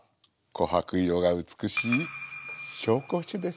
こはく色が美しい紹興酒です。